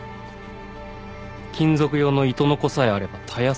金属用の糸のこさえあればたやすくできます。